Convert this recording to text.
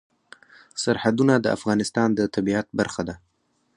سرحدونه د افغانستان د طبیعت برخه ده.